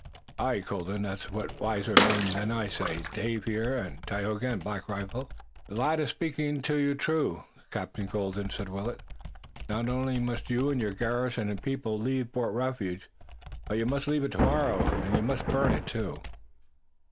"Aye, Colden, it's what wiser men than I say, Dave here, and Tayoga, and Black Rifle." "The lad is speaking you true, Captain Colden," said Willet. "Not only must you and your garrison and people leave Fort Refuge, but you must leave it tomorrow, and you must burn it, too."